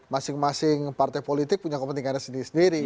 masing masing partai politik punya kepentingannya sendiri sendiri